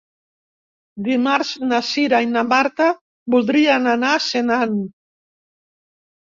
Dimarts na Cira i na Marta voldrien anar a Senan.